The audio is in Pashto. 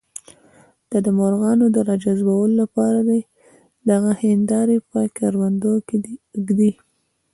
دا د مرغانو د راجذبولو لپاره دي، دغه هندارې په کروندو کې ږدي.